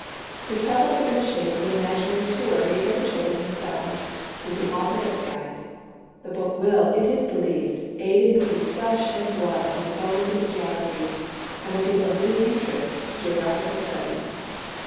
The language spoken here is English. The travels are in the shape of an imaginary tour made by the children themselves, with the author as a guide. The book, will, it is beHeved, aid in putting flesh and blood on the bones of the geographies, and will give a living interest to geographical study.